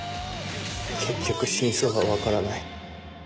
結局真相は分からない。